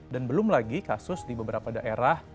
dan belum lagi kasus di beberapa daerah